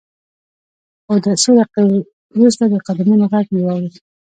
څو دقیقې وروسته د قدمونو غږ مې واورېد